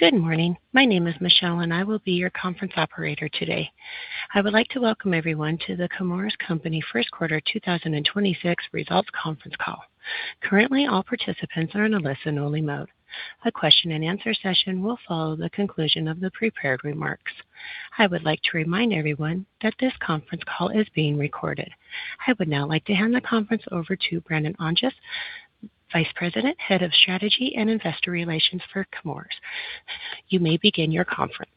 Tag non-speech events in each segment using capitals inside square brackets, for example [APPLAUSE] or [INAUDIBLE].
Good morning. My name is Michelle, and I will be your conference operator today. I would like to welcome everyone to The Chemours Company First Quarter 2026 Results Conference Call. Currently, all participants are in a listen-only mode. A question and answer session will follow the conclusion of the prepared remarks. I would like to remind everyone that this conference call is being recorded. I would now like to hand the conference over to Brandon Ontjes, Vice President, Head of Strategy and Investor Relations for Chemours. You may begin your conference.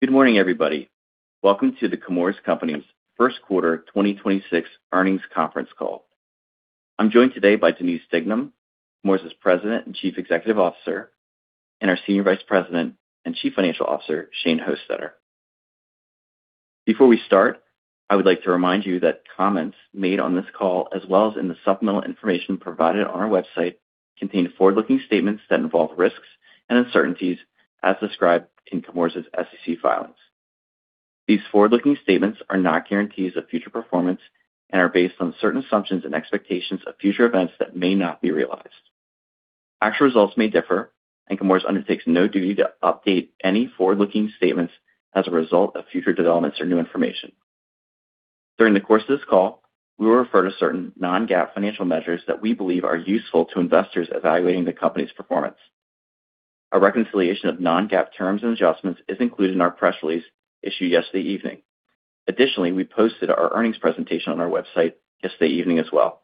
Good morning, everybody. Welcome to the Chemours Company's first quarter 2026 earnings conference call. I'm joined today by Denise Dignam, Chemours' President and Chief Executive Officer, and our Senior Vice President and Chief Financial Officer, Shane Hostetter. Before we start, I would like to remind you that comments made on this call as well as in the supplemental information provided on our website contain forward-looking statements that involve risks and uncertainties as described in Chemours' SEC filings. These forward-looking statements are not guarantees of future performance and are based on certain assumptions and expectations of future events that may not be realized. Actual results may differ and Chemours undertakes no duty to update any forward-looking statements as a result of future developments or new information. During the course of this call, we will refer to certain non-GAAP financial measures that we believe are useful to investors evaluating the company's performance. A reconciliation of non-GAAP terms and adjustments is included in our press release issued yesterday evening. Additionally, we posted our earnings presentation on our website yesterday evening as well.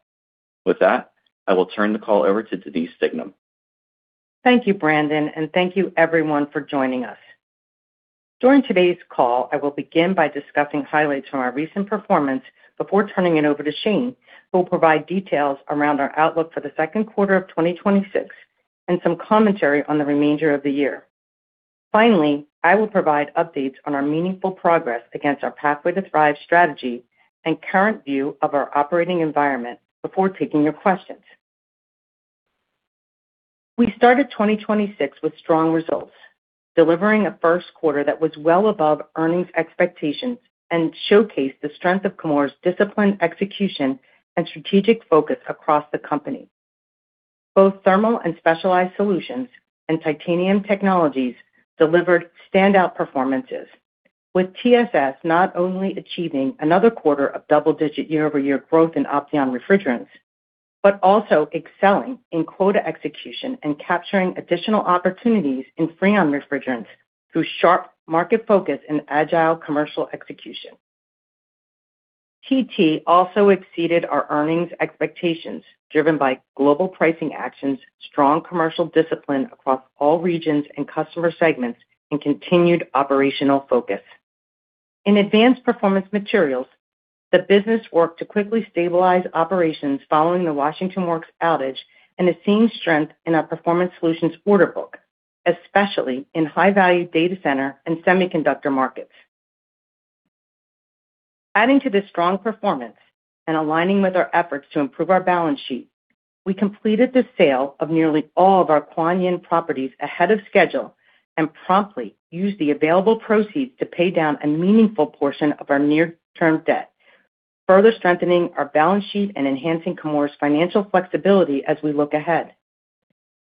With that, I will turn the call over to Denise Dignam. Thank you, Brandon, and thank you everyone for joining us. During today's call, I will begin by discussing highlights from our recent performance before turning it over to Shane, who will provide details around our outlook for the second quarter of 2026 and some commentary on the remainder of the year. Finally, I will provide updates on our meaningful progress against our Pathway to Thrive strategy and current view of our operating environment before taking your questions. We started 2026 with strong results, delivering a first quarter that was well above earnings expectations and showcased the strength of Chemours' disciplined execution and strategic focus across the company. Both Thermal & Specialized Solutions and Titanium Technologies delivered standout performances, with TSS not only achieving another quarter of double-digit year-over-year growth in Opteon refrigerants but also excelling in quota execution and capturing additional opportunities in Freon refrigerants through sharp market focus and agile commercial execution. TT also exceeded our earnings expectations driven by global pricing actions, strong commercial discipline across all regions and customer segments, and continued operational focus. In Advanced Performance Materials, the business worked to quickly stabilize operations following the Washington Works outage and is seeing strength in our Performance Solutions order book, especially in high-value data center and semiconductor markets. Adding to this strong performance and aligning with our efforts to improve our balance sheet, we completed the sale of nearly all of our Kuan Yin properties ahead of schedule and promptly used the available proceeds to pay down a meaningful portion of our near-term debt, further strengthening our balance sheet and enhancing Chemours' financial flexibility as we look ahead.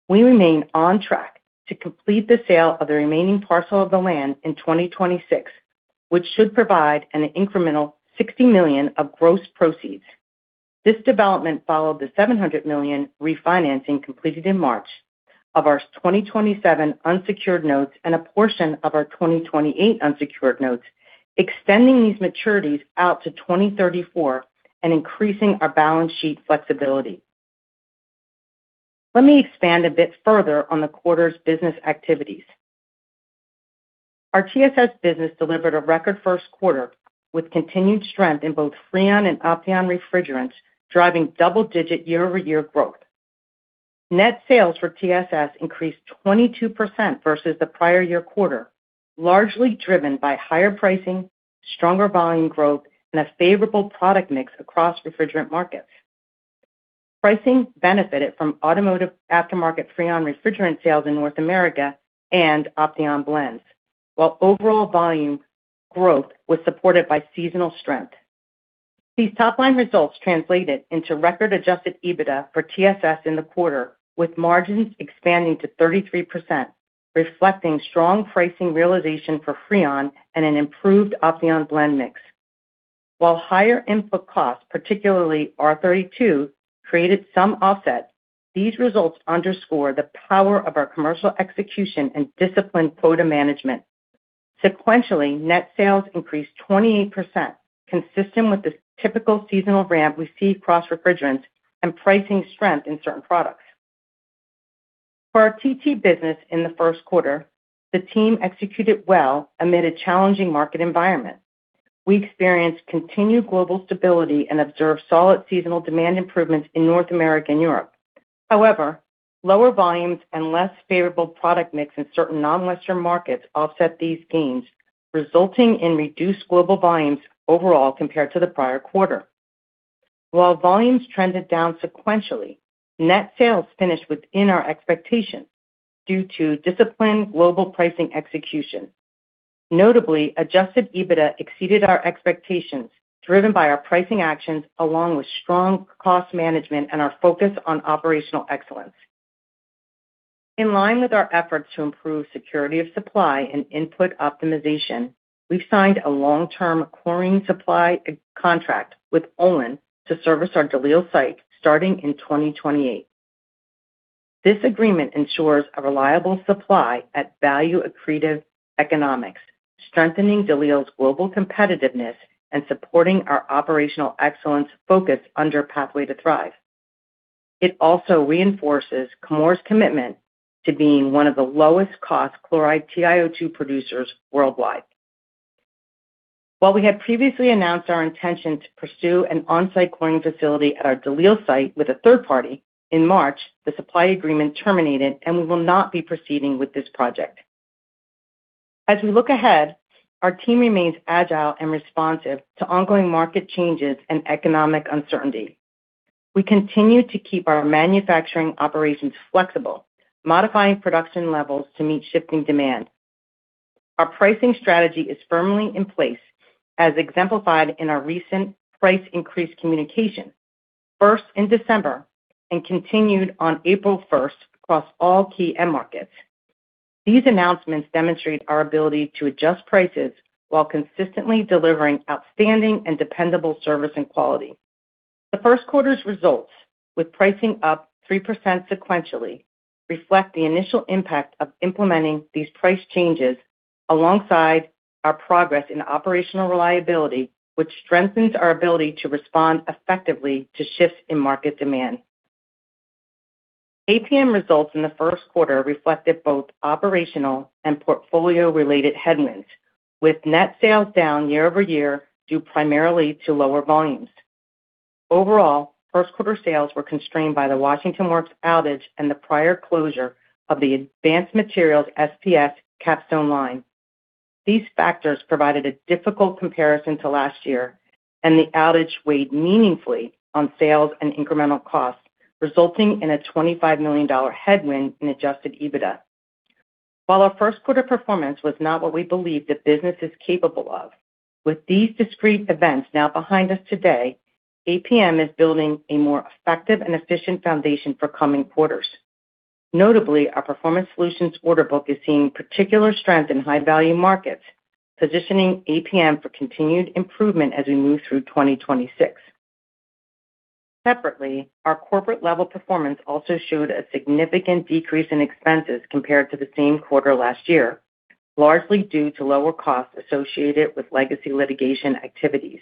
We remain on track to complete the sale of the remaining parcel of the land in 2026, which should provide an incremental $60 million of gross proceeds. This development followed the $700 million refinancing completed in March of our 2027 unsecured notes and a portion of our 2028 unsecured notes, extending these maturities out to 2034 and increasing our balance sheet flexibility. Let me expand a bit further on the quarter's business activities. Our TSS business delivered a record first quarter with continued strength in both Freon and Opteon refrigerants, driving double-digit year-over-year growth. Net sales for TSS increased 22% versus the prior year quarter, largely driven by higher pricing, stronger volume growth, and a favorable product mix across refrigerant markets. Pricing benefited from automotive aftermarket Freon refrigerant sales in North America and Opteon blends, while overall volume growth was supported by seasonal strength. These top-line results translated into record adjusted EBITDA for TSS in the quarter, with margins expanding to 33%, reflecting strong pricing realization for Freon and an improved Opteon blend mix. While higher input costs, particularly R-32, created some offset, these results underscore the power of our commercial execution and disciplined quota management. Sequentially, net sales increased 28%, consistent with the typical seasonal ramp we see across refrigerants and pricing strength in certain products. For our TT business in the first quarter, the team executed well amid a challenging market environment. We experienced continued global stability and observed solid seasonal demand improvements in North America and Europe. However, lower volumes and less favorable product mix in certain non-Western markets offset these gains, resulting in reduced global volumes overall compared to the prior quarter. While volumes trended down sequentially, net sales finished within our expectations due to disciplined global pricing execution. Notably, adjusted EBITDA exceeded our expectations, driven by our pricing actions along with strong cost management and our focus on operational excellence. In line with our efforts to improve security of supply and input optimization, we've signed a long-term chlorine supply contract with Olin to service our DeLisle site starting in 2028. This agreement ensures a reliable supply at value-accretive economics, strengthening DeLisle's global competitiveness and supporting our operational excellence focus under Pathway to Thrive. It also reinforces Chemours' commitment to being one of the lowest cost chloride TiO2 producers worldwide. While we had previously announced our intention to pursue an on-site chlorine facility at our DeLisle site with a third party, in March, the supply agreement terminated, and we will not be proceeding with this project. As we look ahead, our team remains agile and responsive to ongoing market changes and economic uncertainty. We continue to keep our manufacturing operations flexible, modifying production levels to meet shifting demand. Our pricing strategy is firmly in place, as exemplified in our recent price increase communication, first in December and continued on April 1st across all key end markets. These announcements demonstrate our ability to adjust prices while consistently delivering outstanding and dependable service and quality. The first quarter's results, with pricing up 3% sequentially, reflect the initial impact of implementing these price changes alongside our progress in operational reliability, which strengthens our ability to respond effectively to shifts in market demand. APM results in the first quarter reflected both operational and portfolio-related headwinds, with net sales down year-over-year due primarily to lower volumes. Overall, first quarter sales were constrained by the Washington Works outage and the prior closure of the Advanced Materials SPS Capstone line. These factors provided a difficult comparison to last year, and the outage weighed meaningfully on sales and incremental costs, resulting in a $25 million headwind in adjusted EBITDA. While our first quarter performance was not what we believe the business is capable of, with these discrete events now behind us today, APM is building a more effective and efficient foundation for coming quarters. Notably, our Performance Solutions order book is seeing particular strength in high-value markets, positioning APM for continued improvement as we move through 2026. Separately, our corporate-level performance also showed a significant decrease in expenses compared to the same quarter last year, largely due to lower costs associated with legacy litigation activities.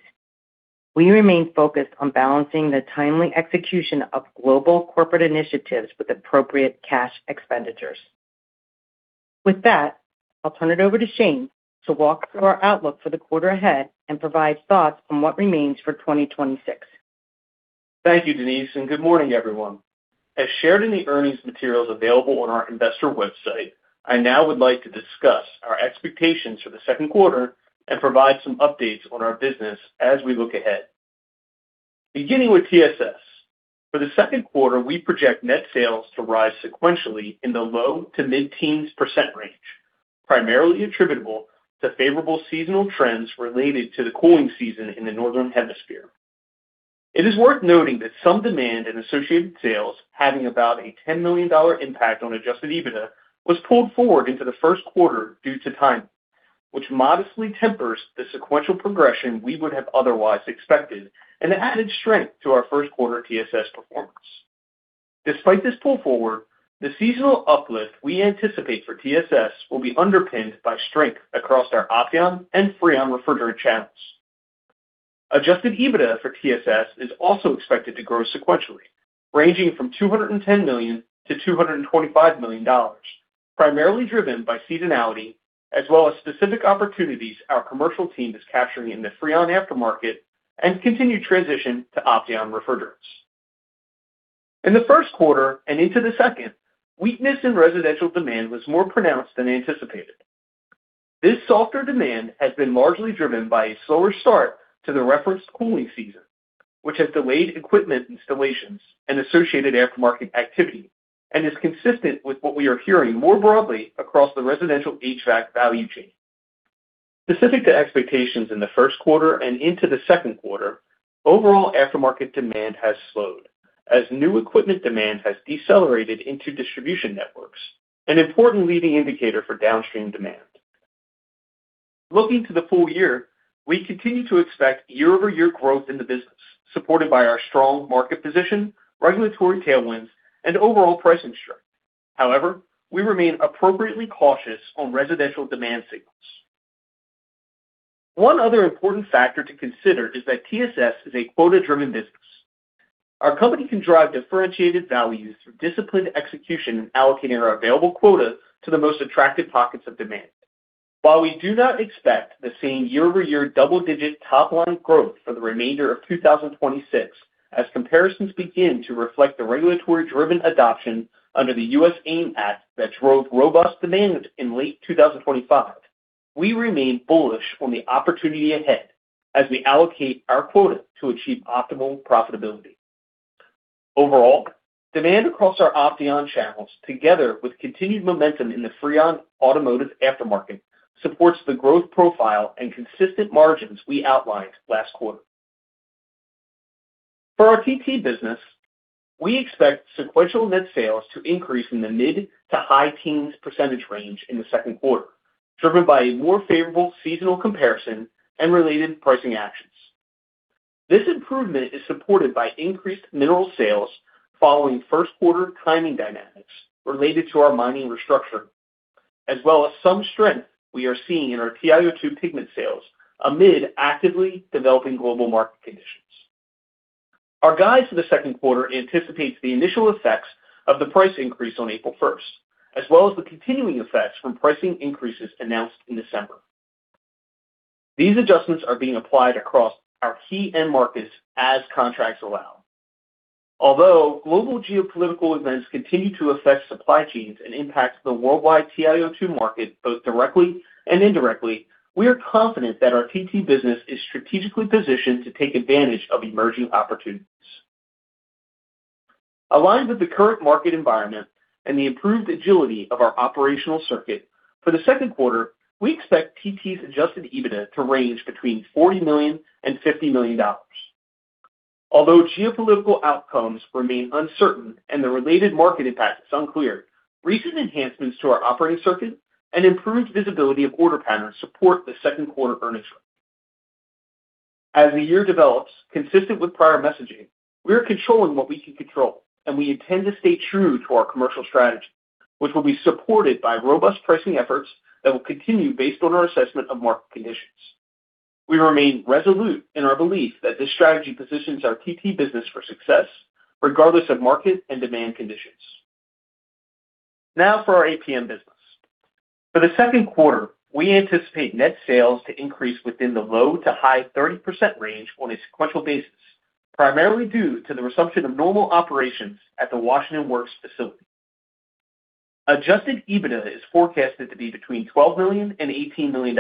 We remain focused on balancing the timely execution of global corporate initiatives with appropriate cash expenditures. With that, I'll turn it over to Shane to walk through our outlook for the quarter ahead and provide thoughts on what remains for 2026. Thank you, Denise, and good morning, everyone. As shared in the earnings materials available on our investor website, I now would like to discuss our expectations for the second quarter and provide some updates on our business as we look ahead. Beginning with TSS, for the second quarter, we project net sales to rise sequentially in the low to mid-teens percent range, primarily attributable to favorable seasonal trends related to the cooling season in the northern hemisphere. It is worth noting that some demand and associated sales, having about a $10 million impact on adjusted EBITDA, was pulled forward into the first quarter due to timing, which modestly tempers the sequential progression we would have otherwise expected and added strength to our first quarter TSS performance. Despite this pull forward, the seasonal uplift we anticipate for TSS will be underpinned by strength across our Opteon and Freon refrigerant channels. Adjusted EBITDA for TSS is also expected to grow sequentially, ranging from $210 million-$225 million, primarily driven by seasonality as well as specific opportunities our commercial team is capturing in the Freon aftermarket and continued transition to Opteon refrigerants. In the first quarter and into the second, weakness in residential demand was more pronounced than anticipated. This softer demand has been largely driven by a slower start to the referenced cooling season, which has delayed equipment installations and associated aftermarket activity and is consistent with what we are hearing more broadly across the residential HVAC value chain. Specific to expectations in the first quarter and into the second quarter, overall aftermarket demand has slowed as new equipment demand has decelerated into distribution networks, an important leading indicator for downstream demand. Looking to the full year, we continue to expect year-over-year growth in the business, supported by our strong market position, regulatory tailwinds, and overall price strength. However, we remain appropriately cautious on residential demand signals. One other important factor to consider is that TSS is a quota-driven business. Our company can drive differentiated values through disciplined execution in allocating our available quota to the most attractive pockets of demand. While we do not expect the same year-over-year double-digit top-line growth for the remainder of 2026 as comparisons begin to reflect the regulatory-driven adoption under the U.S. AIM Act that drove robust demand in late 2025, we remain bullish on the opportunity ahead as we allocate our quota to achieve optimal profitability. Overall, demand across our Opteon channels, together with continued momentum in the Freon automotive aftermarket, supports the growth profile and consistent margins we outlined last quarter. For our TT business, we expect sequential net sales to increase in the mid to high teens percentage range in the second quarter, driven by a more favorable seasonal comparison and related pricing actions. This improvement is supported by increased mineral sales following first quarter timing dynamics related to our mining restructuring, as well as some strength we are seeing in our TiO2 pigment sales amid actively developing global market conditions. Our guide for the second quarter anticipates the initial effects of the price increase on April 1st, as well as the continuing effects from pricing increases announced in December. These adjustments are being applied across our key end markets as contracts allow. Although global geopolitical events continue to affect supply chains and impact the worldwide TiO2 market, both directly and indirectly, we are confident that our TT business is strategically positioned to take advantage of emerging opportunities. Aligned with the current market environment and the improved agility of our operational circuit, for the second quarter, we expect TT's adjusted EBITDA to range between $40 million and $50 million. Although geopolitical outcomes remain uncertain and the related market impacts unclear, recent enhancements to our operating circuit and improved visibility of order patterns support the second quarter earnings growth. As the year develops, consistent with prior messaging, we are controlling what we can control, and we intend to stay true to our commercial strategy, which will be supported by robust pricing efforts that will continue based on our assessment of market conditions. We remain resolute in our belief that this strategy positions our TT business for success regardless of market and demand conditions. Now for our APM business. For the second quarter, we anticipate net sales to increase within the low to high 30% range on a sequential basis, primarily due to the resumption of normal operations at the Washington Works facility. Adjusted EBITDA is forecasted to be between $12 million and $18 million.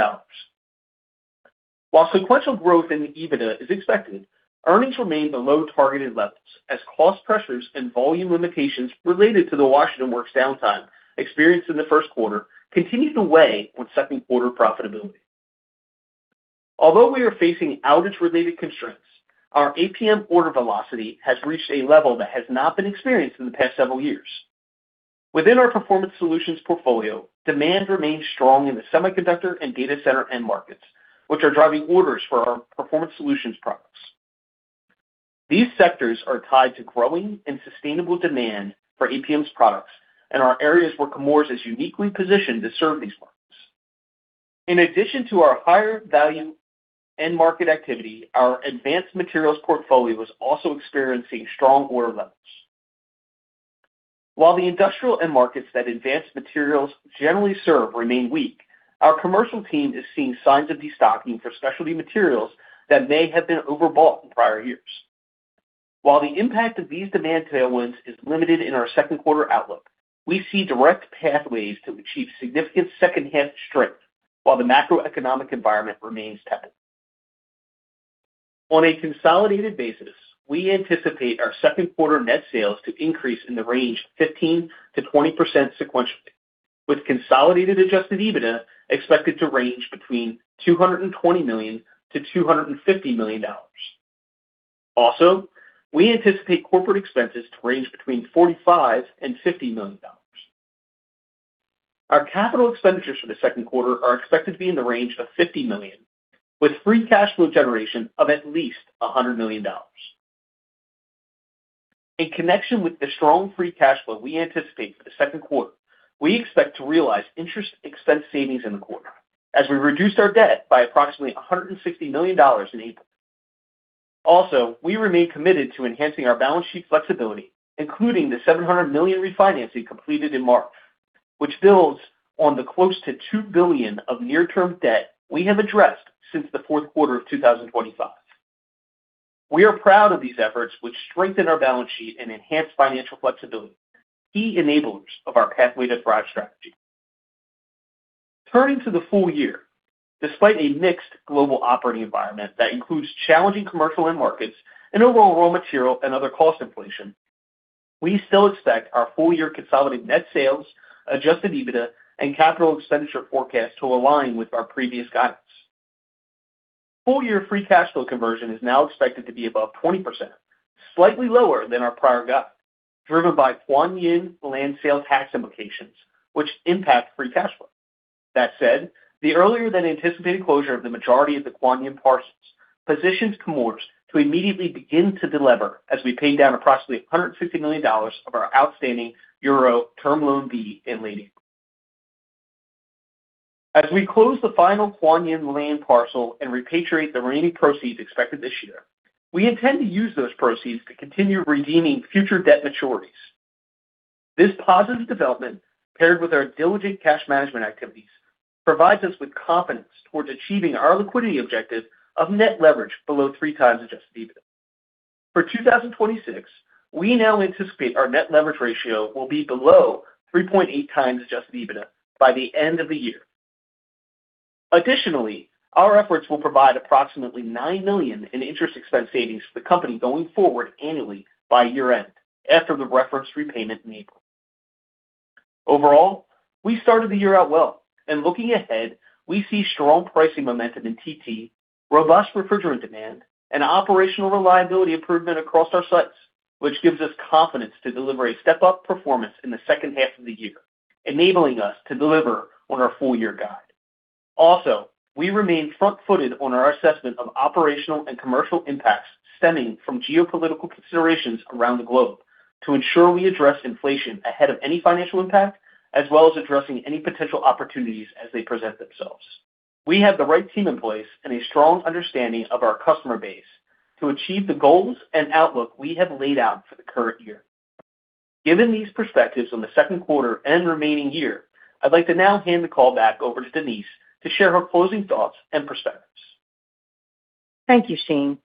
While sequential growth in the EBITDA is expected, earnings remain below targeted levels as cost pressures and volume limitations related to the Washington Works downtime experienced in the first quarter continue to weigh on second quarter profitability. Although we are facing outage-related constraints, our APM order velocity has reached a level that has not been experienced in the past several years. Within our Performance Solutions portfolio, demand remains strong in the semiconductor and data center end markets, which are driving orders for our Performance Solutions products. These sectors are tied to growing and sustainable demand for APM's products and are areas where Chemours is uniquely positioned to serve these markets. In addition to our higher value end market activity, our advanced materials portfolio is also experiencing strong order levels. While the industrial end markets that advanced materials generally serve remain weak, our commercial team is seeing signs of destocking for specialty materials that may have been overbought in prior years. While the impact of these demand tailwinds is limited in our second quarter outlook, we see direct pathways to achieve significant second-half strength while the macroeconomic environment remains tight. On a consolidated basis, we anticipate our second quarter net sales to increase in the range 15%-20% sequentially, with consolidated adjusted EBITDA expected to range between $220 million-$250 million. We anticipate corporate expenses to range between $45 million-$50 million. Our capital expenditures for the second quarter are expected to be in the range of $50 million, with free cash flow generation of at least $100 million. In connection with the strong free cash flow we anticipate for the second quarter, we expect to realize interest expense savings in the quarter as we reduced our debt by approximately $160 million in April. We remain committed to enhancing our balance sheet flexibility, including the $700 million refinancing completed in March, which builds on the close to $2 billion of near-term debt we have addressed since the fourth quarter of 2025. We are proud of these efforts, which strengthen our balance sheet and enhance financial flexibility, key enablers of our Pathway to Thrive strategy. Turning to the full year, despite a mixed global operating environment that includes challenging commercial end markets and overall raw material and other cost inflation, we still expect our full-year consolidated net sales, adjusted EBITDA, and capital expenditure forecast to align with our previous guidance. Full-year free cash flow conversion is now expected to be above 20%, slightly lower than our prior guide, driven by Kuan Yin land sale tax implications, which impact free cash flow. That said, the earlier than anticipated closure of the majority of the Kuan Yin parcels positions Chemours to immediately begin to delever as we pay down approximately $150 million of our outstanding euro Term Loan B and. [AUDIO DISTORTION] As we close the final Kuan Yin land parcel and repatriate the remaining proceeds expected this year, we intend to use those proceeds to continue redeeming future debt maturities. This positive development, paired with our diligent cash management activities, provides us with confidence towards achieving our liquidity objective of net leverage below 3x adjusted EBITDA. For 2026, we now anticipate our net leverage ratio will be below 3.8x adjusted EBITDA by the end of the year. Our efforts will provide approximately $9 million in interest expense savings for the company going forward annually by year-end after the referenced repayment in April. We started the year out well, and looking ahead, we see strong pricing momentum in TT, robust refrigerant demand, and operational reliability improvement across our sites, which gives us confidence to deliver a step-up performance in the second half of the year, enabling us to deliver on our full-year guide. Also, we remain front-footed on our assessment of operational and commercial impacts stemming from geopolitical considerations around the globe to ensure we address inflation ahead of any financial impact, as well as addressing any potential opportunities as they present themselves. We have the right team in place and a strong understanding of our customer base to achieve the goals and outlook we have laid out for the current year. Given these perspectives on the second quarter and remaining year, I'd like to now hand the call back over to Denise to share her closing thoughts and perspectives. Thank you, Shane.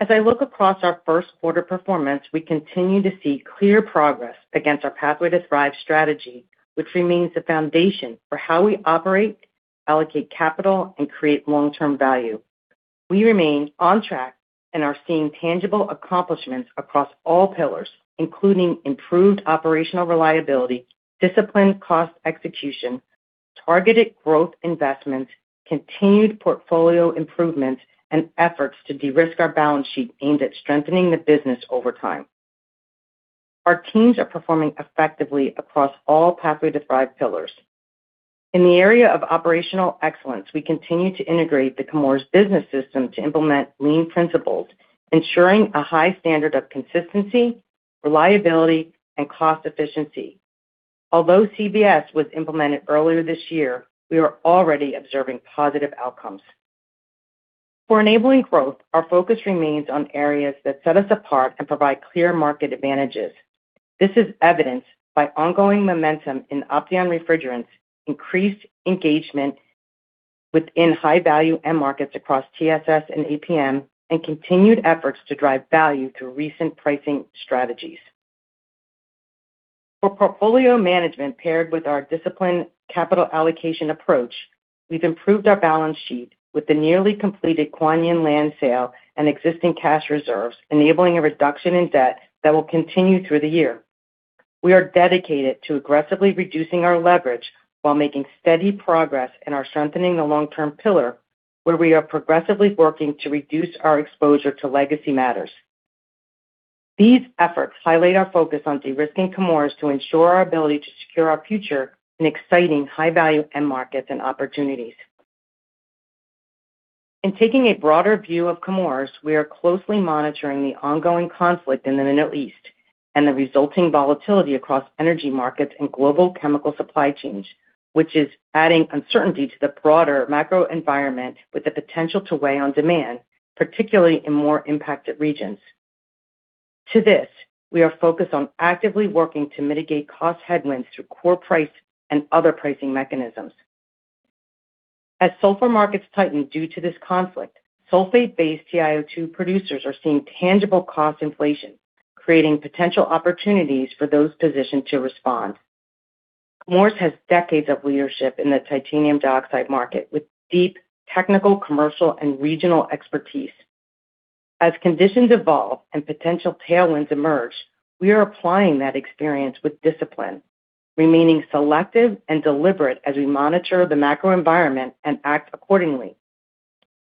As I look across our first quarter performance, we continue to see clear progress against our Pathway to Thrive strategy, which remains the foundation for how we operate, allocate capital, and create long-term value. We remain on track and are seeing tangible accomplishments across all pillars, including improved operational reliability, disciplined cost execution, targeted growth investments, continued portfolio improvements, and efforts to de-risk our balance sheet aimed at strengthening the business over time. Our teams are performing effectively across all Pathway to Thrive pillars. In the area of operational excellence, we continue to integrate the Chemours Business System to implement lean principles, ensuring a high standard of consistency, reliability, and cost efficiency. Although CBS was implemented earlier this year, we are already observing positive outcomes. For enabling growth, our focus remains on areas that set us apart and provide clear market advantages. This is evidenced by ongoing momentum in Opteon refrigerants, increased engagement within high-value end markets across TSS and APM, and continued efforts to drive value through recent pricing strategies. For portfolio management paired with our disciplined capital allocation approach, we've improved our balance sheet with the nearly completed Kuan Yin land sale and existing cash reserves, enabling a reduction in debt that will continue through the year. We are dedicated to aggressively reducing our leverage while making steady progress in our strengthening the long-term pillar, where we are progressively working to reduce our exposure to legacy matters. These efforts highlight our focus on de-risking Chemours to ensure our ability to secure our future in exciting high-value end markets and opportunities. In taking a broader view of Chemours, we are closely monitoring the ongoing conflict in the Middle East and the resulting volatility across energy markets and global chemical supply chains, which is adding uncertainty to the broader macro environment with the potential to weigh on demand, particularly in more impacted regions. To this, we are focused on actively working to mitigate cost headwinds through core price and other pricing mechanisms. As sulfur markets tighten due to this conflict, sulfate-based TiO2 producers are seeing tangible cost inflation, creating potential opportunities for those positioned to respond. Chemours has decades of leadership in the titanium dioxide market with deep technical, commercial, and regional expertise. As conditions evolve and potential tailwinds emerge, we are applying that experience with discipline, remaining selective and deliberate as we monitor the macro environment and act accordingly.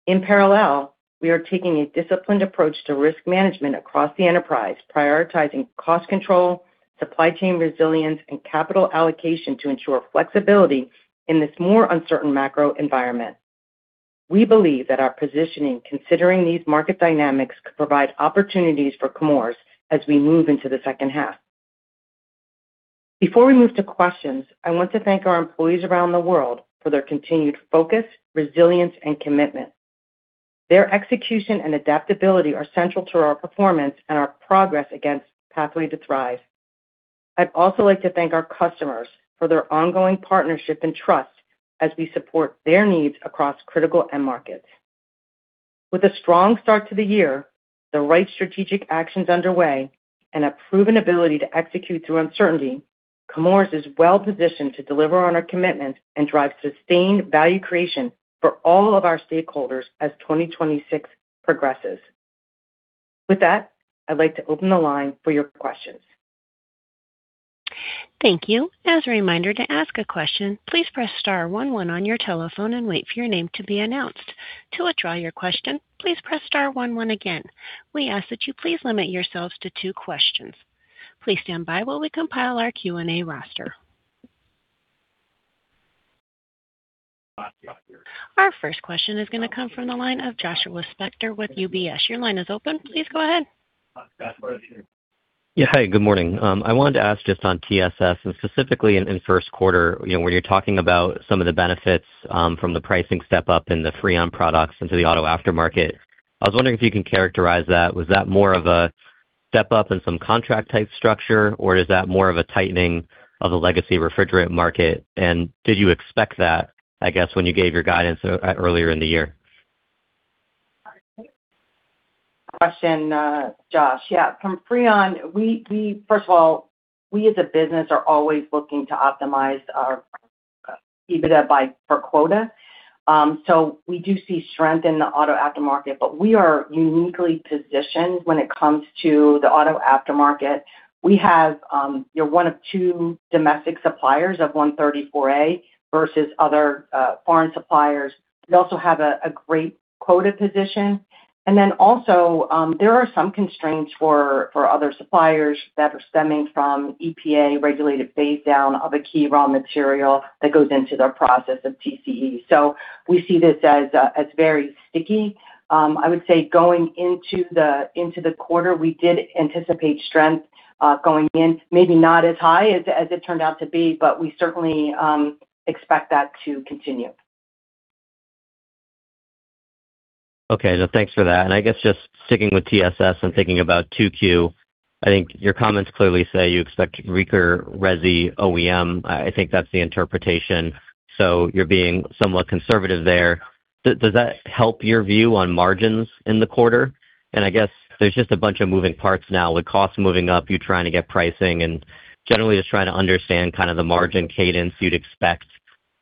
In parallel, we are taking a disciplined approach to risk management across the enterprise, prioritizing cost control, supply chain resilience, and capital allocation to ensure flexibility in this more uncertain macro environment. We believe that our positioning considering these market dynamics could provide opportunities for Chemours as we move into the second half. Before we move to questions, I want to thank our employees around the world for their continued focus, resilience, and commitment. Their execution and adaptability are central to our performance and our progress against Pathway to Thrive. I'd also like to thank our customers for their ongoing partnership and trust as we support their needs across critical end markets. With a strong start to the year, the right strategic actions underway, and a proven ability to execute through uncertainty, Chemours is well positioned to deliver on our commitments and drive sustained value creation for all of our stakeholders as 2026 progresses. With that, I'd like to open the line for your questions. Thank you. As a reminder to ask a question, please press star one one on your telephone and wait for your name to be announced. To withdraw your question, please press star one one again. We ask that you please limit yourselves to two questions. Please stand by while we compile our Q&A roster. Our first question is gonna come from the line of Joshua Spector with UBS. Your line is open. Please go ahead. Yeah. Hi, good morning. I wanted to ask just on TSS and specifically in first quarter, you know, when you're talking about some of the benefits from the pricing step up in the Freon products into the auto aftermarket. I was wondering if you can characterize that. Was that more of a step up in some contract type structure, or is that more of a tightening of the legacy refrigerant market? Did you expect that, I guess, when you gave your guidance earlier in the year? Question, Josh. Yeah, from Freon, we, first of all, we as a business are always looking to optimize our EBITDA by per quota. We do see strength in the auto aftermarket, but we are uniquely positioned when it comes to the auto aftermarket. We have, you know, one of two domestic suppliers of 134a versus other foreign suppliers. We also have a great quota position. Also, there are some constraints for other suppliers that are stemming from EPA regulated phase down of a key raw material that goes into their process of TCE. We see this as very sticky. I would say going into the quarter, we did anticipate strength going in, maybe not as high as it turned out to be, but we certainly expect that to continue. Okay. Thanks for that. I guess just sticking with TSS and thinking about 2Q, I think your comments clearly say you expect weaker resi OEM. I think that's the interpretation. You're being somewhat conservative there. Does that help your view on margins in the quarter? I guess there's just a bunch of moving parts now with costs moving up, you trying to get pricing, and generally just trying to understand kind of the margin cadence you'd expect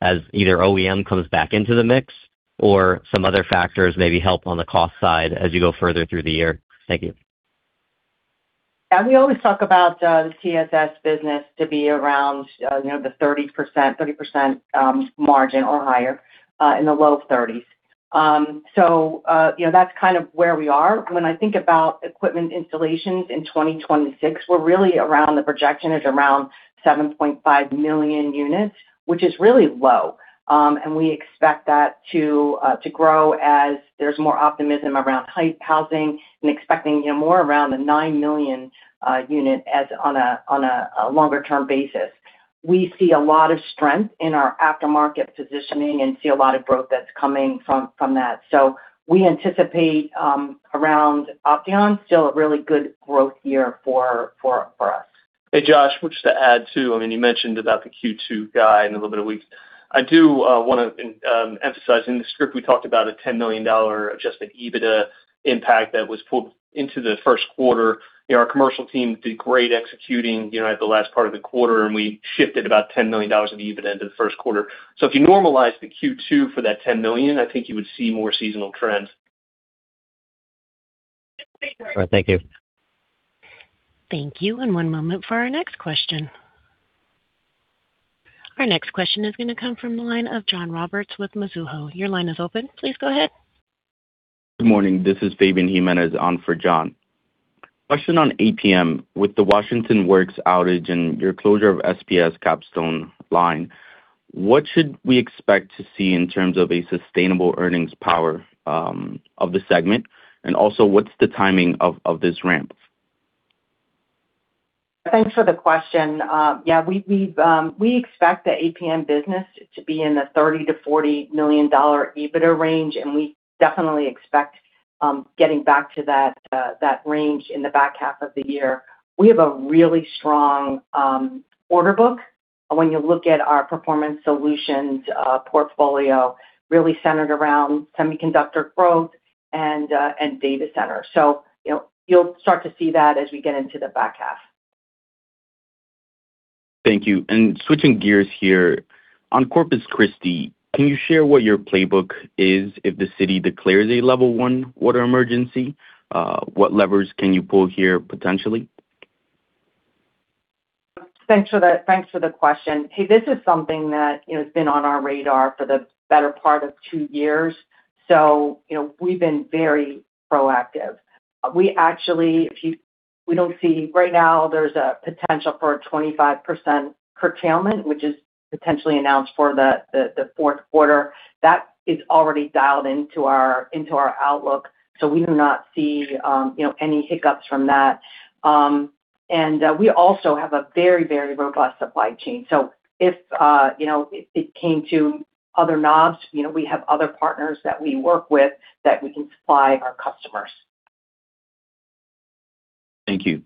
as either OEM comes back into the mix or some other factors maybe help on the cost side as you go further through the year. Thank you. Yeah, we always talk about the TSS business to be around, you know, the 30% margin or higher, in the low 30s. You know, that's kind of where we are. When I think about equipment installations in 2026, we're really around the projection is around 7.5 million units, which is really low. We expect that to grow as there's more optimism around ti- housing and expecting, you know, more around the 9 million unit on a longer term basis. We see a lot of strength in our aftermarket positioning and see a lot of growth that's coming from that. We anticipate around up down, still a really good growth year for us. Hey, Josh, just to add too, I mean, you mentioned about the Q2 guide in a little bit of weeks. I do wanna emphasize in the script, we talked about a $10 million adjusted EBITDA impact that was pulled into the first quarter. You know, our commercial team did great executing, you know, at the last part of the quarter, and we shifted about $10 million of EBITDA into the first quarter. If you normalize the Q2 for that $10 million, I think you would see more seasonal trends. All right. Thank you. Thank you. One moment for our next question. Our next question is gonna come from the line of John Roberts with Mizuho. Your line is open. Please go ahead. Good morning. This is Fabian Jimenez on for John. Question on APM. With the Washington Works outage and your closure of SPS Capstone line, what should we expect to see in terms of a sustainable earnings power of the segment? Also what's the timing of this ramp? Thanks for the question. Yeah, we've, we expect the APM business to be in the $30 million-$40 million EBITDA range, and we definitely expect getting back to that range in the back half of the year. We have a really strong order book when you look at our Performance Solutions portfolio really centered around semiconductor growth and data center. You'll start to see that as we get into the back half. Thank you. Switching gears here. On Corpus Christi, can you share what your playbook is if the city declares a Level 1 water emergency? What levers can you pull here potentially? Thanks for the question. Hey, this is something that, you know, has been on our radar for the better part of two years, so, you know, we've been very proactive. We actually, we don't see right now there's a potential for a 25% curtailment, which is potentially announced for the fourth quarter. That is already dialed into our outlook, so we do not see, you know, any hiccups from that. We also have a very robust supply chain. If, you know, it came to other knobs, you know, we have other partners that we work with that we can supply our customers. Thank you.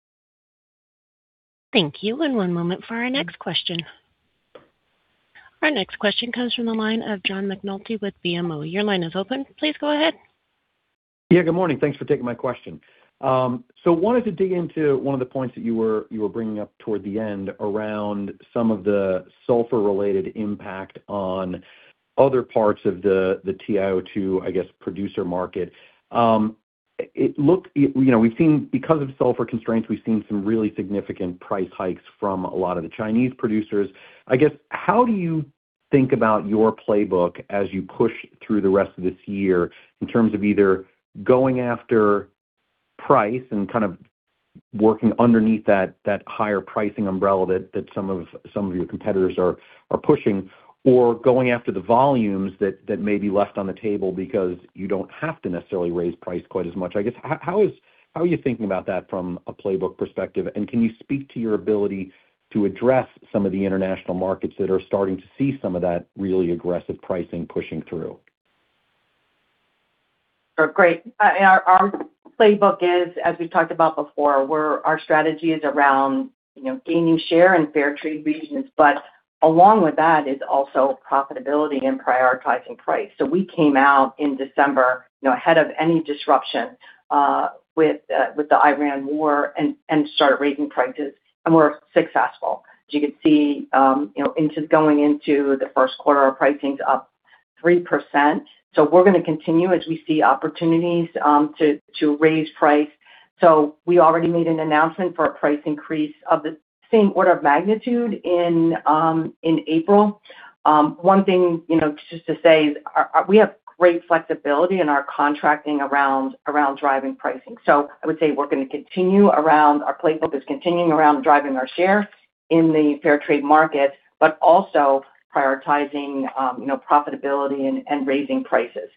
Thank you. One moment for our next question. Our next question comes from the line of John McNulty with BMO. Your line is open. Please go ahead. Yeah, good morning. Thanks for taking my question. Wanted to dig into one of the points that you were bringing up toward the end around some of the sulfur related impact on other parts of the TiO2, I guess, producer market. It looked, you know, we've seen because of sulfur constraints, we've seen some really significant price hikes from a lot of the Chinese producers. I guess, how do you think about your playbook as you push through the rest of this year in terms of either going after price and kind of working underneath that higher pricing umbrella that some of your competitors are pushing, or going after the volumes that may be left on the table because you don't have to necessarily raise price quite as much? I guess, how are you thinking about that from a playbook perspective? Can you speak to your ability to address some of the international markets that are starting to see some of that really aggressive pricing pushing through? Sure. Great. In our Playbook is, as we've talked about before, our strategy is around, you know, gaining share in fair trade regions. Along with that is also profitability and prioritizing price. We came out in December, you know, ahead of any disruption, with the Iran war and started raising prices, and we're successful. As you can see, you know, going into the first quarter, our pricing's up 3%. We're gonna continue as we see opportunities to raise price. We already made an announcement for a price increase of the same order of magnitude in April. One thing, you know, just to say is our we have great flexibility in our contracting around driving pricing. I would say we're gonna continue around our playbook is continuing around driving our share in the fair trade market, but also prioritizing, you know, profitability and raising prices.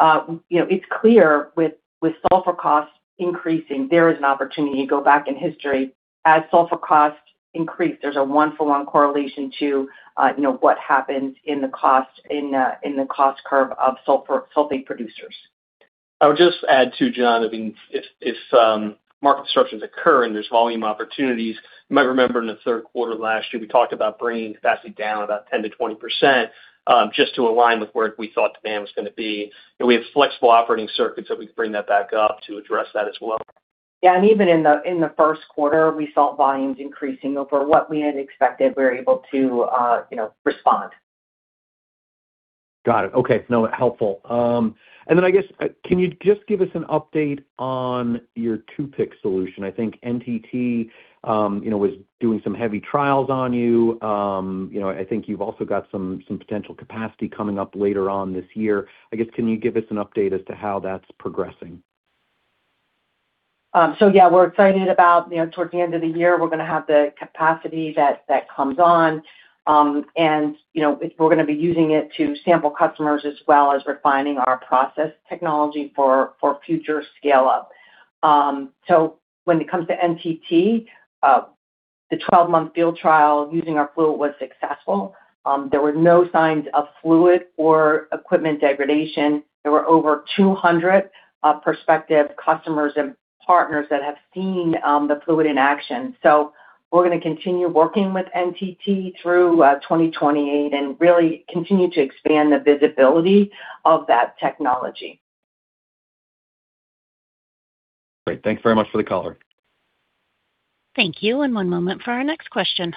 You know, it's clear with sulfur costs increasing, there is an opportunity to go back in history. As sulfur costs increase, there's a one-for-one correlation to, you know, what happens in the cost curve of sulfur-sulfate producers. I would just add too, John, I mean, if, market disruptions occur and there's volume opportunities, you might remember in the third quarter of last year, we talked about bringing capacity down about 10%-20%, just to align with where we thought demand was gonna be. We have flexible operating circuits that we can bring that back up to address that as well. Yeah, even in the, in the first quarter, we saw volumes increasing over what we had expected. We were able to, you know, respond. Got it. Okay. No, helpful. I guess, can you just give us an update on your 2-PIC solution? I think NTT was doing some heavy trials on you. I think you've also got some potential capacity coming up later on this year. I guess, can you give us an update as to how that's progressing? Yeah, we're excited about, you know, towards the end of the year, we're gonna have the capacity that comes on. You know, we're gonna be using it to sample customers as well as refining our process technology for future scale-up. When it comes to NTT, the 12-month field trial using our fluid was successful. There were no signs of fluid or equipment degradation. There were over 200 prospective customers and partners that have seen the fluid in action. We're gonna continue working with NTT through 2028 and really continue to expand the visibility of that technology. Great. Thanks very much for the color. Thank you. One moment for our next question.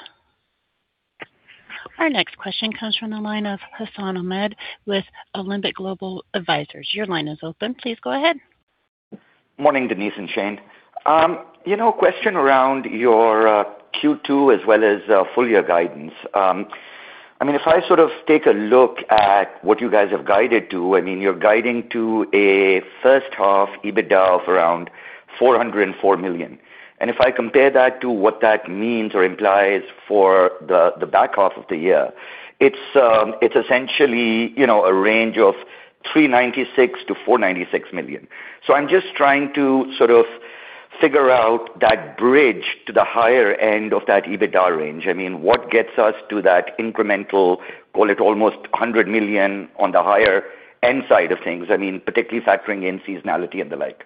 Our next question comes from the line of Hassan Ahmed with Alembic Global Advisors. Your line is open. Please go ahead. Morning, Denise and Shane. You know, question around your Q2 as well as full year guidance. If I sort of take a look at what you guys have guided to, you're guiding to a first half EBITDA of around $404 million. If I compare that to what that means or implies for the back half of the year, it's essentially, you know, a range of $396 million-$496 million. I'm just trying to sort of figure out that bridge to the higher end of that EBITDA range. What gets us to that incremental, call it almost $100 million on the higher end side of things? Particularly factoring in seasonality and the like.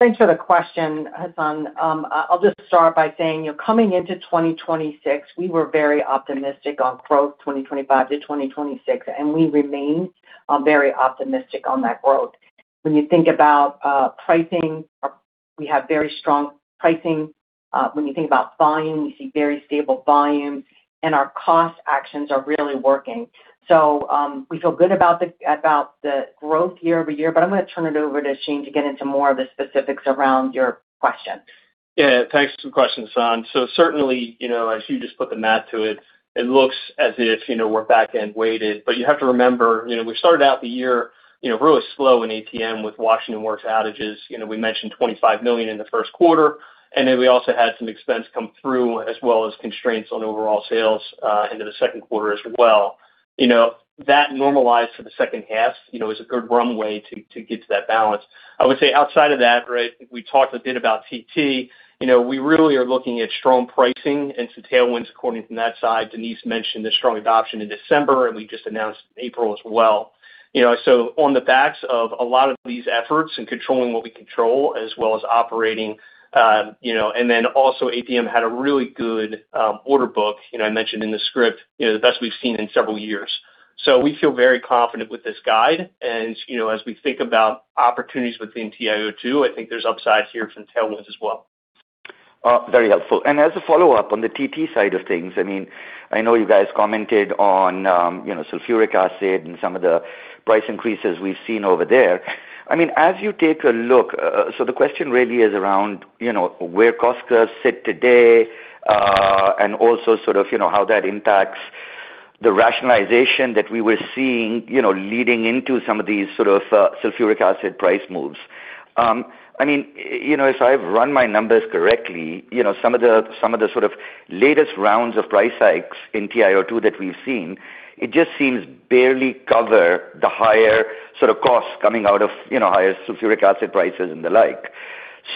Thanks for the question, Hassan. I'll just start by saying, you know, coming into 2026, we were very optimistic on growth 2025 to 2026, and we remain very optimistic on that growth. When you think about pricing, we have very strong pricing. When you think about volume, we see very stable volume. Our cost actions are really working. We feel good about the growth year-over-year, but I'm going to turn it over to Shane to get into more of the specifics around your question. Thanks for the question, Hassan. Certainly, you know, as you just put the math to it looks as if, you know, we're back end weighted. You have to remember, you know, we started out the year, you know, really slow in APM with Washington Works outages. You know, we mentioned $25 million in the first quarter, we also had some expense come through as well as constraints on overall sales into the second quarter as well. You know, that normalized for the second half, you know, is a good runway to get to that balance. I would say outside of that, right, we talked a bit about TT. You know, we really are looking at strong pricing and some tailwinds according from that side. Denise mentioned the strong adoption in December, we just announced April as well. You know, on the backs of a lot of these efforts and controlling what we control as well as operating, you know, and then also APM had a really good, order book, you know, I mentioned in the script, you know, the best we've seen in several years. We feel very confident with this guide. You know, as we think about opportunities within TiO2, I think there's upside here from tailwinds as well. Very helpful. As a follow-up on the TT side of things, I know you guys commented on, you know, sulfuric acid and some of the price increases we've seen over there. As you take a look, so the question really is around, you know, where cost curves sit today, and also sort of, you know, how that impacts the rationalization that we were seeing, you know, leading into some of these sort of, sulfuric acid price moves. You know, as I've run my numbers correctly, you know, some of the sort of latest rounds of price hikes in TiO2 that we've seen, it just seems barely cover the higher sort of costs coming out of, you know, higher sulfuric acid prices and the like.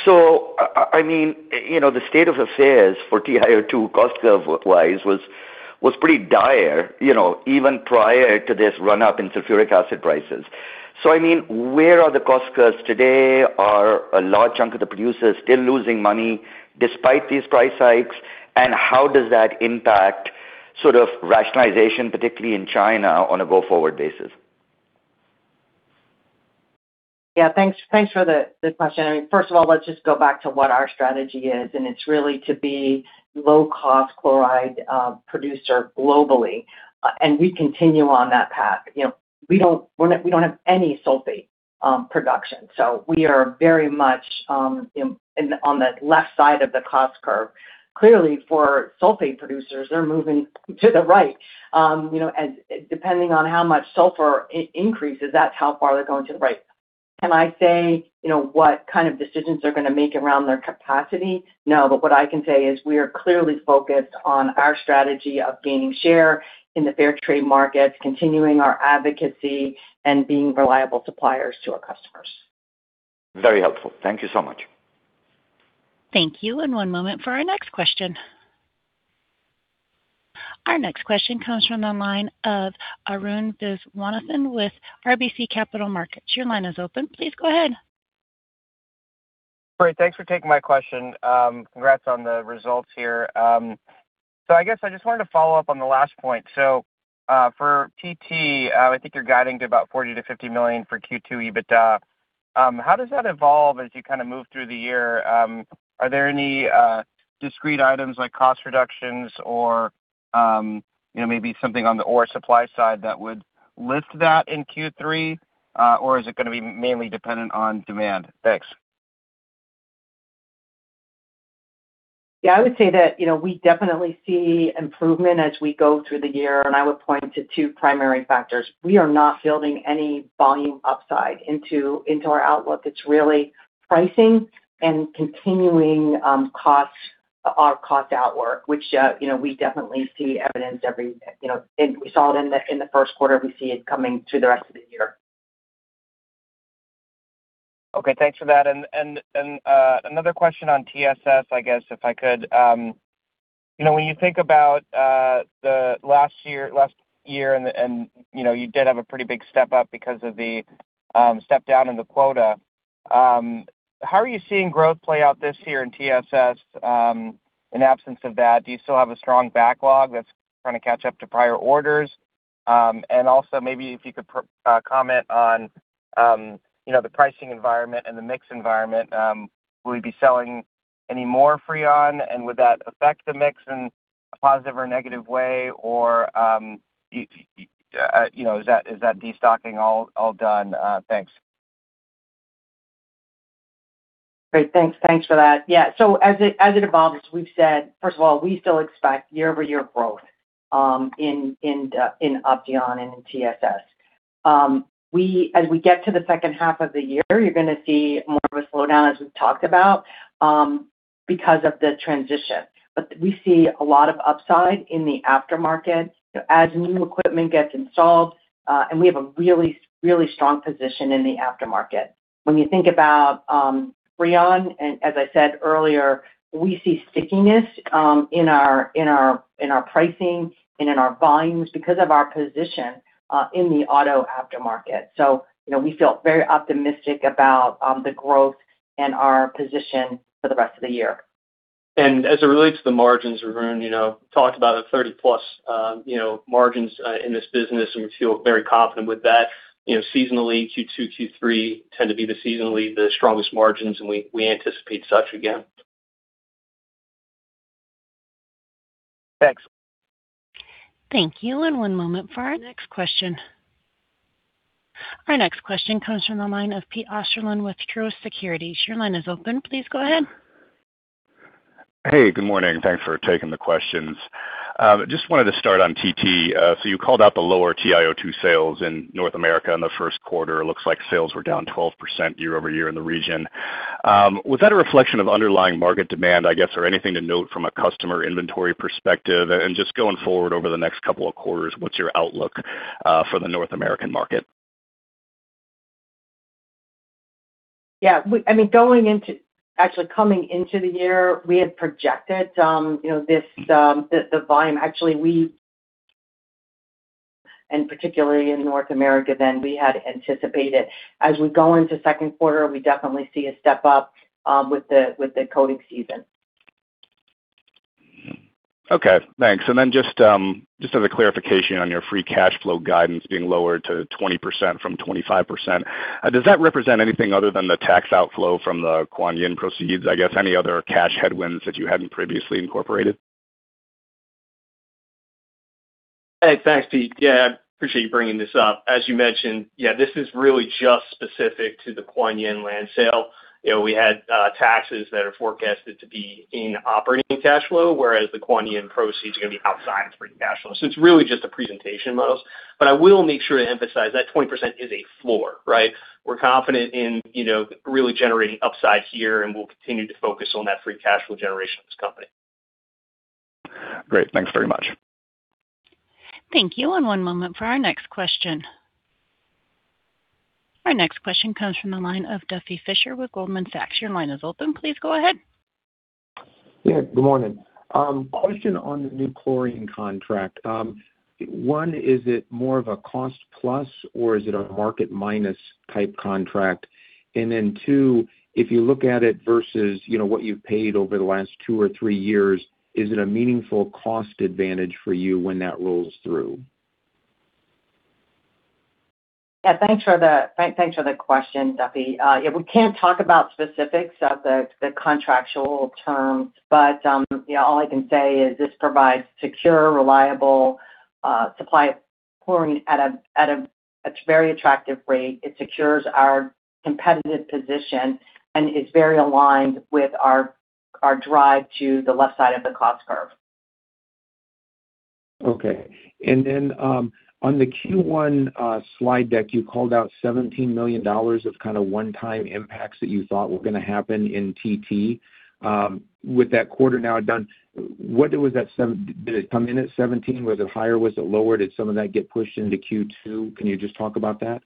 I mean, you know, the state of affairs for TiO2 cost curve wise was pretty dire, you know, even prior to this run-up in sulfuric acid prices. I mean, where are the cost curves today? Are a large chunk of the producers still losing money despite these price hikes? How does that impact sort of rationalization, particularly in China, on a go-forward basis? Yeah. Thanks for the question. I mean, first of all, let's just go back to what our strategy is, and it's really to be low-cost chloride producer globally. We continue on that path. You know, we don't have any sulfate production, so we are very much in, on the left side of the cost curve. Clearly, for sulfate producers, they're moving to the right. You know, depending on how much sulfur increases, that's how far they're going to the right. Can I say, you know, what kind of decisions they're gonna make around their capacity? No. What I can say is we are clearly focused on our strategy of gaining share in the fair trade markets, continuing our advocacy, and being reliable suppliers to our customers. Very helpful. Thank you so much. Thank you, and one moment for our next question. Our next question comes from the line of Arun Viswanathan with RBC Capital Markets. Your line is open. Please go ahead. Great. Thanks for taking my question. Congrats on the results here. I guess I just wanted to follow up on the last point. For TT, I think you're guiding to about $40 million-$50 million for Q2 EBITDA. How does that evolve as you kinda move through the year? Are there any discrete items like cost reductions or, you know, maybe something on the ore supply side that would lift that in Q3? Is it gonna be mainly dependent on demand? Thanks. Yeah. I would say that, you know, we definitely see improvement as we go through the year, and I would point to two primary factors. We are not fielding any volume upside into our outlook. It's really pricing and continuing costs, our cost outwork, which, you know, we definitely see evidence. We saw it in the first quarter. We see it coming through the rest of the year. Okay. Thanks for that. Another question on TSS, I guess, if I could. You know, when you think about the last year, you know, you did have a pretty big step-up because of the step-down in the quota, how are you seeing growth play out this year in TSS in absence of that? Do you still have a strong backlog that's trying to catch up to prior orders? Also maybe if you could comment on, you know, the pricing environment and the mix environment. Will you be selling any more Freon? Would that affect the mix in a positive or negative way? You know, is that destocking all done? Thanks. Great. Thanks. Thanks for that. As it evolves, we've said, first of all, we still expect year-over-year growth in Opteon and in TSS. As we get to the second half of the year, you're gonna see more of a slowdown, as we've talked about, because of the transition. We see a lot of upside in the aftermarket as new equipment gets installed, and we have a really strong position in the aftermarket. When you think about Freon, as I said earlier, we see stickiness in our pricing and in our volumes because of our position in the auto aftermarket. You know, we feel very optimistic about the growth and our position for the rest of the year. As it relates to the margins, Arun, you know, talked about a 30+, you know, margins in this business, and we feel very confident with that. You know, seasonally, Q2, Q3 tend to be the seasonally the strongest margins, and we anticipate such again. Thanks. Thank you, and one moment for our next question. Our next question comes from the line of Pete Osterland with Truist Securities. Your line is open. Please go ahead. Hey, good morning. Thanks for taking the questions. Just wanted to start on TT. You called out the lower TiO2 sales in North America in the first quarter. It looks like sales were down 12% year-over-year in the region. Was that a reflection of underlying market demand, I guess, or anything to note from a customer inventory perspective? Just going forward over the next couple of quarters, what's your outlook for the North American market? Yeah. I mean, Actually, coming into the year, we had projected, you know, this, the volume. Actually, we and particularly in North America than we had anticipated. As we go into second quarter, we definitely see a step-up with the coating season. Okay. Thanks. Then just as a clarification on your free cash flow guidance being lower to 20% from 25%, does that represent anything other than the tax outflow from the Kuan Yin proceeds? I guess any other cash headwinds that you hadn't previously incorporated? Hey, thanks, Pete. Yeah. I appreciate you bringing this up. As you mentioned, yeah, this is really just specific to the Kuan Yin land sale. You know, we had taxes that are forecasted to be in operating cash flow, whereas the Kuan Yin proceeds are gonna be outside operating cash flow. It's really just a presentation model. I will make sure to emphasize that 20% is a floor, right? We're confident in, you know, really generating upside here, and we'll continue to focus on that free cash flow generation of this company. Great. Thanks very much. Thank you. One moment for our next question. Our next question comes from the line of Duffy Fischer with Goldman Sachs. Your line is open. Please go ahead. Yeah, good morning. Question on the new chlorine contract. One, is it more of a cost plus or is it a market minus type contract? Then two, if you look at it versus, you know, what you've paid over the last two or three years, is it a meaningful cost advantage for you when that rolls through? Yeah, thanks for the question, Duffy. We can't talk about specifics of the contractual terms, but all I can say is this provides secure, reliable supply of chlorine at a very attractive rate. It secures our competitive position and is very aligned with our drive to the left side of the cost curve. Okay. On the Q1 slide deck, you called out $17 million of kind of one-time impacts that you thought were gonna happen in TT. With that quarter now done, did it come in at 17? Was it higher? Was it lower? Did some of that get pushed into Q2? Can you just talk about that?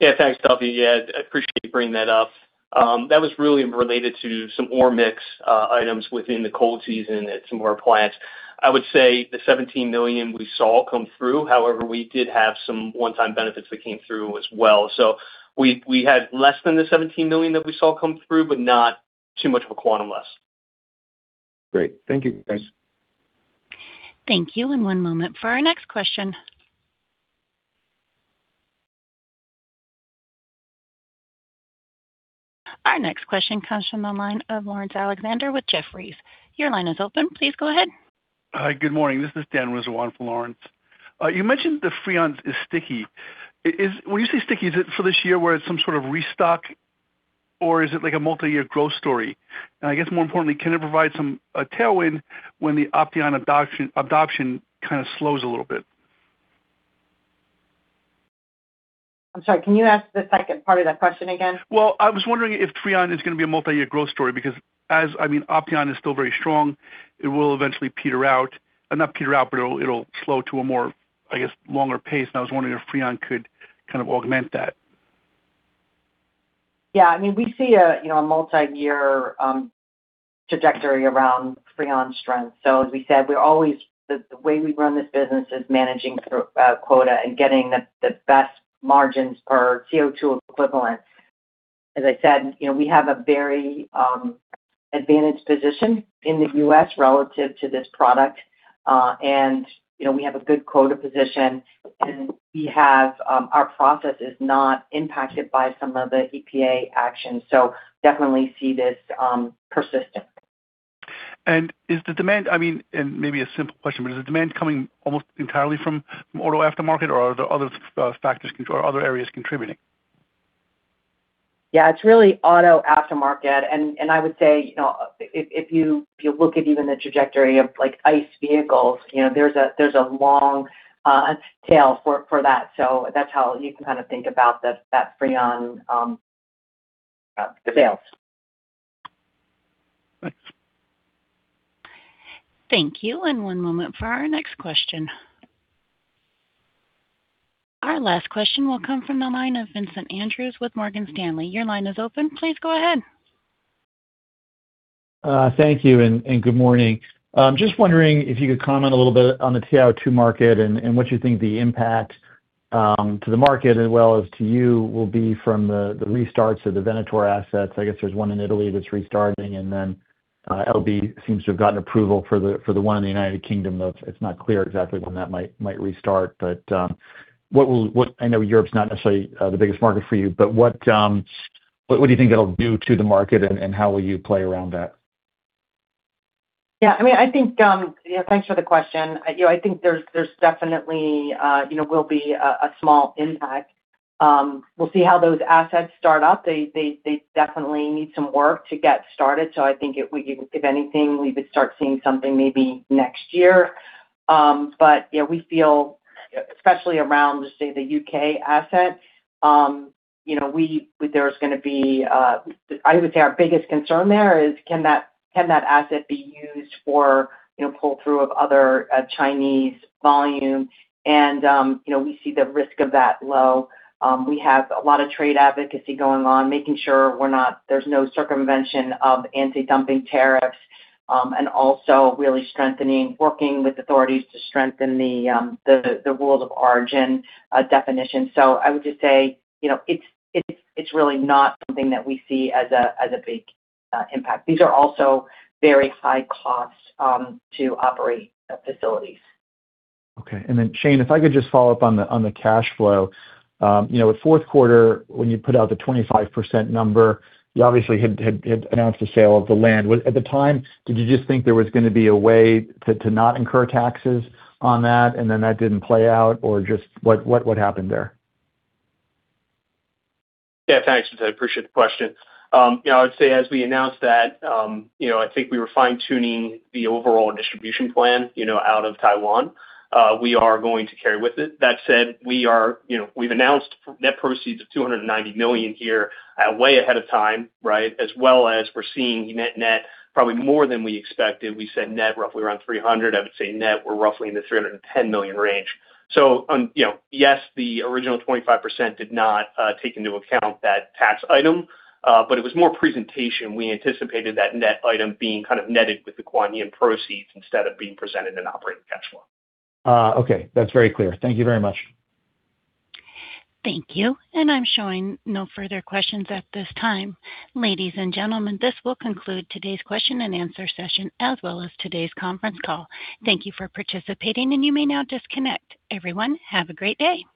Thanks, Duffy. I appreciate you bringing that up. That was really related to some ore mix items within the cold season at some of our plants. I would say the $17 million we saw come through, we did have some one-time benefits that came through as well. We had less than the $17 million that we saw come through, not too much of a quantum less. Great. Thank you, guys. Thank you. And one moment for our next question. Our next question comes from the line of Laurence Alexander with Jefferies. Your line is open. Please go ahead. Hi. Good morning. This is Dan Rizzo for Laurence. You mentioned the Freon is sticky. When you say sticky, is it for this year where it's some sort of restock or is it like a multi-year growth story? I guess more importantly, can it provide a tailwind when the Opteon adoption kind of slows a little bit? I'm sorry, can you ask the second part of that question again? Well, I was wondering if Freon is gonna be a multi-year growth story because as, I mean, Opteon is still very strong. It will eventually peter out. Not peter out, but it'll slow to a more, I guess, longer pace. I was wondering if Freon could kind of augment that. Yeah, I mean, we see a, you know, a multi-year trajectory around Freon strength. As we said, we're always The way we run this business is managing through quota and getting the best margins per CO2 equivalent. As I said, you know, we have a very advantaged position in the U.S. relative to this product. You know, we have a good quota position, and we have our process is not impacted by some of the EPA actions. Definitely see this persisting. Is the demand, I mean, and maybe a simple question, but is the demand coming almost entirely from auto aftermarket or are there other factors or other areas contributing? Yeah, it's really auto aftermarket. I would say, you know, if you look at even the trajectory of like ICE vehicles, you know, there's a long tail for that. That's how you can kind of think about that Freon sales. Thanks Thank you. One moment for our next question. Our last question will come from the line of Vincent Andrews with Morgan Stanley. Your line is open. Please go ahead. Thank you and good morning. Just wondering if you could comment a little bit on the TiO2 market, and what you think the impact to the market as well as to you will be from the restarts of the Venator assets. I guess there's one in Italy that's restarting and then LB seems to have gotten approval for the, for the one in the United Kingdom, though it's not clear exactly when that might restart. I know Europe's not necessarily the biggest market for you, but what do you think it'll do to the market and how will you play around that? Yeah, I mean, I think, thanks for the question. You know, I think there's definitely, you know, will be a small impact. We'll see how those assets start up. They definitely need some work to get started. I think if anything, we would start seeing something maybe next year. Yeah, we feel, especially around the, say, the U.K. asset, you know, there's gonna be I would say our biggest concern there is can that asset be used for, you know, pull through of other Chinese volume? You know, we see the risk of that low. We have a lot of trade advocacy going on, making sure there's no circumvention of anti-dumping tariffs, and also really strengthening, working with authorities to strengthen the rules of origin definition. I would just say, you know, it's, it's really not something that we see as a big impact. These are also very high cost to operate facilities. Okay. Shane, if I could just follow up on the cash flow. You know, with fourth quarter when you put out the 25% number, you obviously had announced the sale of the land. At the time, did you just think there was gonna be a way to not incur taxes on that and then that didn't play out or just what happened there? Yeah, thanks. I appreciate the question. You know, I would say as we announced that, you know, I think we were fine-tuning the overall distribution plan, you know, out of Taiwan. We are going to carry with it. That said, we are, you know, we've announced net proceeds of $290 million here, way ahead of time, right? As well as we're seeing net net probably more than we expected. We said net roughly around $300 million. I would say net we're roughly in the $310 million range. Yes, the original 25% did not take into account that tax item, but it was more presentation. We anticipated that net item being kind of netted with the Kuan Yin proceeds instead of being presented in operating cash flow. Okay. That's very clear. Thank you very much. Thank you. I'm showing no further questions at this time. Ladies and gentlemen, this will conclude today's question and answer session, as well as today's conference call. Thank you for participating, and you may now disconnect. Everyone, have a great day.